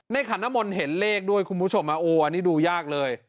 ขันน้ำมนต์เห็นเลขด้วยคุณผู้ชมโอ้อันนี้ดูยากเลย